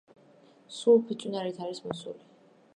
სულ ფიჭვნარით არის მოცული.